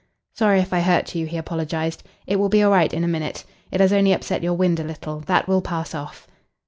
"Sorry if I hurt you," he apologised. "It will be all right in a minute. It has only upset your wind a little. That will pass off."